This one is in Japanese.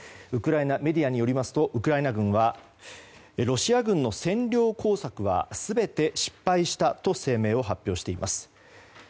ウクライナメディアによりますとウクライナ軍はロシア軍の占領工作は全て失敗したと声明を発表しています。